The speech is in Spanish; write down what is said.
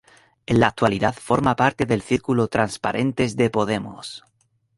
En la actualidad forma parte del "Círculo Transparentes" de Podemos.